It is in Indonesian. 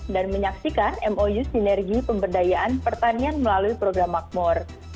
dan menyaksikan mou sinergi pemberdayaan pertanian melalui program makmur